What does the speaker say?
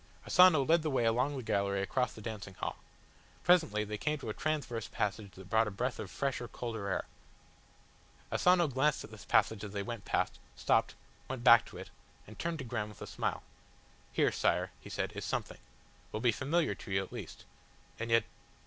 Asano led the way along the gallery across the dancing hall. Presently they came to a transverse passage that brought a breath of fresher, colder air. Asano glanced at this passage as they went past, stopped, went back to it, and turned to Graham with a smile. "Here, Sire," he said, "is something will be familiar to you at least and yet